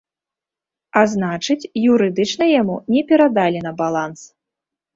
А значыць, юрыдычна яму не перадалі на баланс.